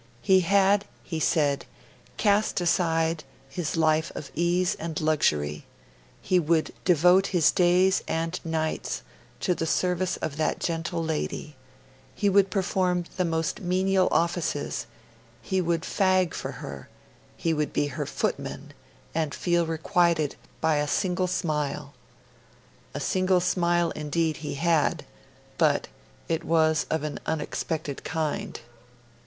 He had, he said, cast aside his life of ease and luxury; he would devote his days and nights to the service of that gentle lady; he would perform the most menial offices, he would 'fag' for her, he would be her footman and feel requited by a single smile. A single smile, indeed, he had, but it was of an unexpected kind.